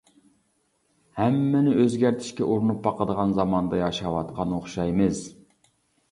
ھەممىنى ئۆزگەرتىشكە ئۇرۇنۇپ باقىدىغان زاماندا ياشاۋاتقان ئوخشايمىز.